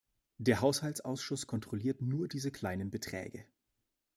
Der Haushaltsausschuss kontrolliert nur diese kleinen Beträge.